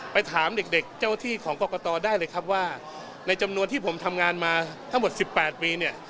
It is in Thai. ไปถามเด็กเจ้าที่ของกรกตได้เลยครับว่าในจำนวนที่ผมทำงานมาทั้งหมด๑๘ปีเนี่ย